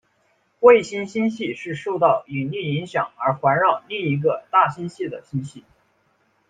卫星星系是受到引力影响而环绕另一个大星系的星系。